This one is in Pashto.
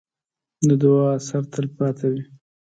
د دعا اثر تل پاتې وي.